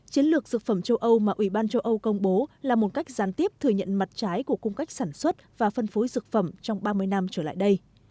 chiến lược dược phẩm châu âu mà ủy ban châu âu công bố là một cách gián tiếp thừa nhận mặt trái của cung cách sản xuất và phân phối dược phẩm trong ba mươi năm trở lại đây